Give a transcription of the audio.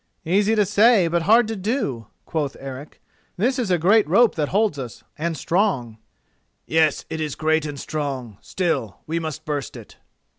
"Easy to say, but hard to do," quoth Eric; "this is a great rope that holds us, and a strong." "Yes, it is great and strong; still, we must burst it."